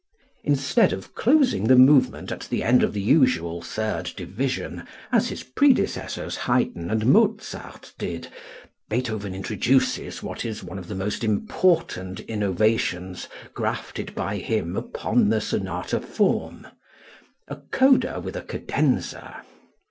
Instead of closing the movement at the end of the usual third division, as his predecessors, Haydn and Mozart, did, Beethoven introduces what is one of the most important innovations grafted by him upon the sonata form a coda with a cadenza.